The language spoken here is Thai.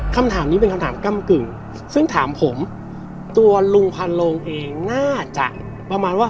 คำถามนี้เป็นคำถามก้ำกึ่งซึ่งถามผมตัวลุงพันโลงเองน่าจะประมาณว่า